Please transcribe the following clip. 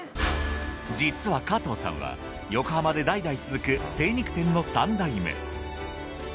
実は加藤さんは横浜で代々続く精肉店の三代目。